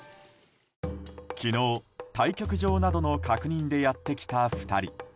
昨日、対局場などの確認でやってきた２人。